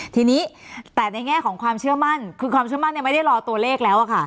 ทีนี้แต่ในแง่ของความเชื่อมั่นคือความเชื่อมั่นไม่ได้รอตัวเลขแล้วค่ะ